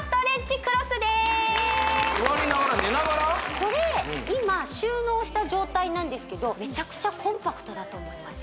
これ今収納した状態なんですけどめちゃくちゃコンパクトだと思いません？